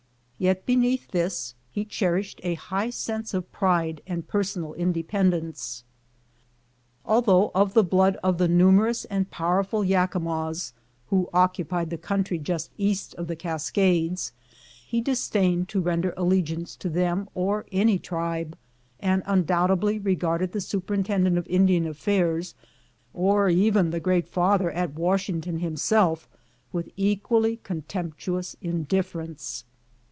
Yet be neath this he cherished a high sense of pride and per sonal independence. Although of the blood of the numerous and powerful Yakimas, who occupied the country just east of the Cascades, he disdained to ren der allegiance to them or any tribe, and undoubtedly regarded the superintendent of Indian affairs, or even the great father at Washington himself, with equally contemptuous indifference.